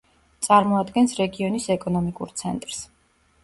წარმოადგენს რეგიონის ეკონომიკურ ცენტრს.